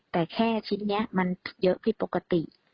แต่แค่ชิ้นนี้มันเยอะผิดปกติ